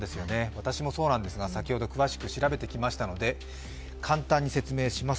私もそうなんですが、先ほど詳しく調べてきましたので簡単に説明します。